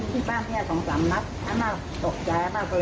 ที่บ้านนี้๒๓นักอาม่าตกใจมากเลยว่าเขา